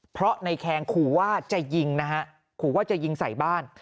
เพราะในแคงขู่ว่าจะยิงนะฮะขู่ว่าจะยิงใส่บ้าน